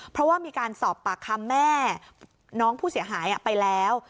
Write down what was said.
เพราะว่ามีการสอบปากคำแม่น้องผู้เสียหายไปแล้ว